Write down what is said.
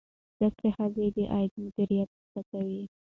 زده کړه ښځه د عاید مدیریت زده کوي.